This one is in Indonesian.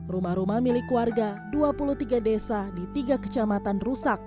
rumah rumah milik warga dua puluh tiga desa di tiga kecamatan rusak